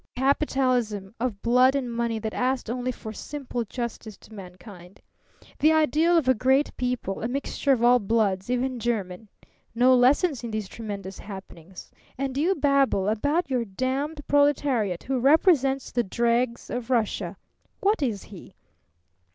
Capitalism of blood and money that asked only for simple justice to mankind. The ideal of a great people a mixture of all bloods, even German! No lessons in these tremendous happenings! And you babble about your damned proletariat who represents the dregs of Russia. What is he?